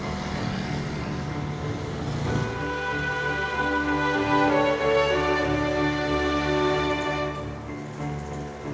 kami juga memiliki kekuasaan yang memiliki kekuasaan